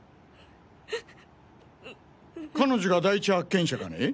彼女が第一発見者かね。